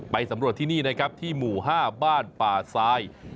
สำรวจที่นี่นะครับที่หมู่๕บ้านป่าซาย